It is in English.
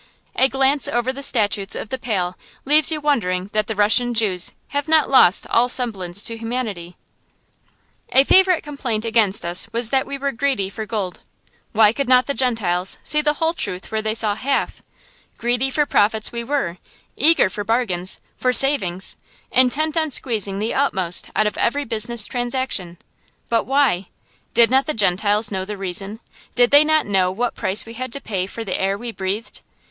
A glance over the statutes of the Pale leaves you wondering that the Russian Jews have not lost all semblance to humanity. [Illustration: THE GRAVE DIGGER OF POLOTZK] A favorite complaint against us was that we were greedy for gold. Why could not the Gentiles see the whole truth where they saw half? Greedy for profits we were, eager for bargains, for savings, intent on squeezing the utmost out of every business transaction. But why? Did not the Gentiles know the reason? Did they not know what price we had to pay for the air we breathed?